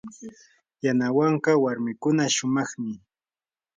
yanawanka warmikuna shumaqmi.